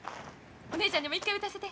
お姉ちゃんにも一回打たせて。